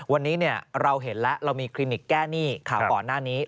วันนี้เราเห็นแล้วเรามีคลินิกแก้หนี้ข่าวก่อนหน้านี้